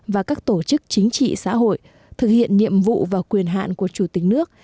và các tổ chức chính trị xã hội thực hiện nhiệm vụ và quyền hạn của chủ tịch nước